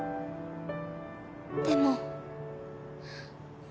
でも。